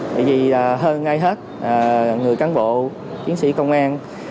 tại vì hơn ai hết người cán bộ chiến sĩ công an